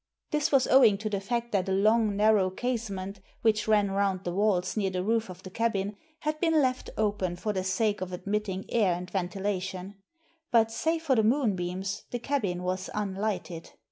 This was owing to the fact that a long narrow casement, which ran round the walls near the roof of the cabin, had been left open for the sake of admitting air and ventilation ; but» save for the moonbeams, the cabin was unlighted.